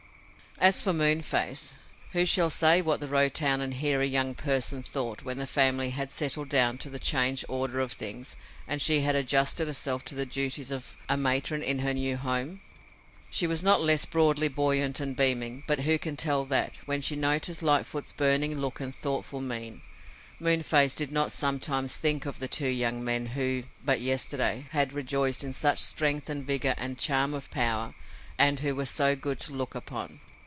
As for Moonface, who shall say what that rotund and hairy young person thought when the family had settled down to the changed order of things and she had adjusted herself to the duties of a matron in her new home? She was not less broadly buoyant and beaming, but who can tell that, when she noted Lightfoot's burning look and thoughtful mien, Moonface did not sometimes think of the two young men who, but yesterday, had rejoiced in such strength and vigor and charm of power and who were so good to look upon?